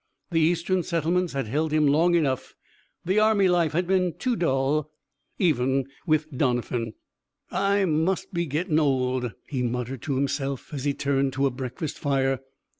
The Eastern settlements had held him long enough, the Army life had been too dull, even with Doniphan. "I must be gittin' old," he muttered to himself as he turned to a breakfast fire.